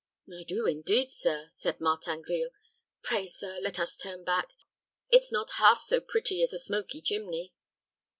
"I do indeed, sir," said Martin Grille. "Pray, sir, let us turn back. It's not half so pretty as a smoky chimney."